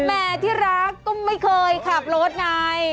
แม่ที่รักก็ไม่เคยขับรถไง